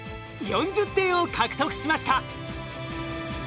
４０点を獲得しました！